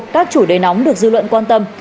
các chủ đề nóng được dư luận quan tâm